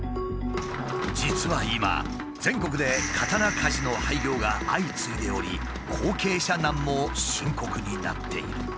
実は今全国で刀鍛冶の廃業が相次いでおり後継者難も深刻になっている。